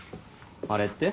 あれって？